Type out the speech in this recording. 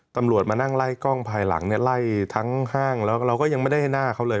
ตำรวจมานั่งไล่กล้องภายหลังเนี่ยไล่ทั้งห้างแล้วเราก็ยังไม่ได้ให้หน้าเขาเลย